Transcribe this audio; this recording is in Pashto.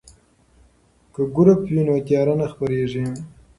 که ګروپ وي نو تیاره نه خپریږي.